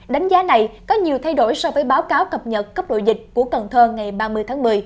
đánh giá này có nhiều thay đổi so với báo cáo cập nhật cấp độ dịch của cần thơ ngày ba mươi tháng một mươi